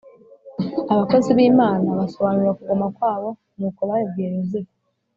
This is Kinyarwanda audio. Abakozi b’imana basobanura kugoma kwabo nuko babibwiye yozefu